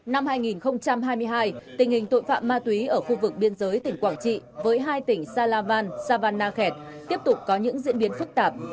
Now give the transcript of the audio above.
năm hai nghìn hai mươi hai tình hình tội phạm ma túy ở khu vực biên giới tỉnh quảng trị với hai tỉnh salavan savanakhet tiếp tục có những diễn biến phức tạp